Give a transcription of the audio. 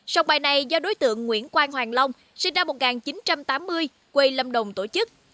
sông bài này do đối tượng nguyễn quang hoàng long sinh năm một nghìn chín trăm tám mươi quê lâm đồng tổ chức